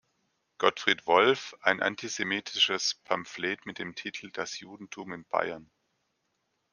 Gottfried Wolf“ ein antisemitisches Pamphlet mit dem Titel "Das Judentum in Bayern.